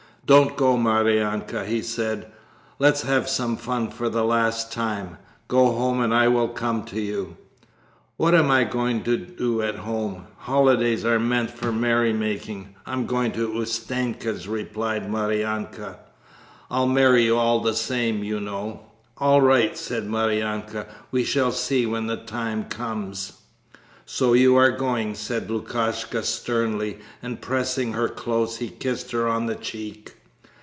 "Don't go, Maryanka," he said, "let's have some fun for the last time. Go home and I will come to you!" "What am I to do at home? Holidays are meant for merrymaking. I am going to Ustenka's," replied Maryanka. 'I'll marry you all the same, you know!' 'All right,' said Maryanka, 'we shall see when the time comes.' 'So you are going,' said Lukashka sternly, and, pressing her close, he kissed her on the cheek.